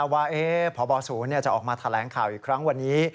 ว่าพบศูนย์จะออกมาแถลงข่าวอีกครั้งวันนี้